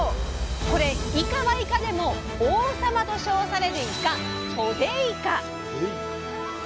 これイカはイカでも王様と称されるイカ「ソデイカ」。